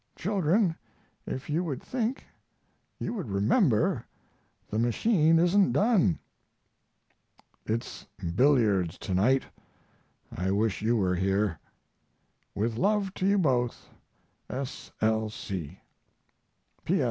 Children, if you would think, you would remember the machine isn't done." It's billiards to night. I wish you were here. With love to you both, S. L.